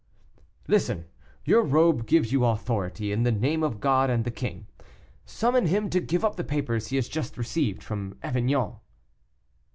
"Listen; your robe gives you authority; in the name of God and the King, summon him to give up the papers he has just received from Avignon."